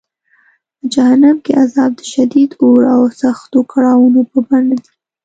په جهنم کې عذاب د شدید اور او سختو کړاوونو په بڼه دی.